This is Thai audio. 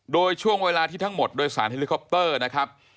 โดยช่วงเวลาที่ทั้งหมดโดยสารเฮลิคอปเตอร์นะครับ